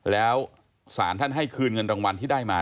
แล้วสารท่านให้คืนเงินรางวัลที่ได้มา